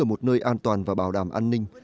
một nơi an toàn và bảo đảm an ninh